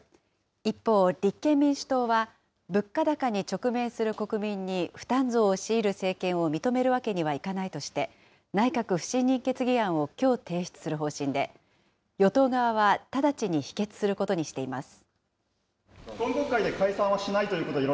一方、立憲民主党は、物価高に直面する国民に負担増を強いる政権を認めるわけにはいかないとして、内閣不信任決議案をきょう提出する方針で、与党側は直ちに否決することにしています。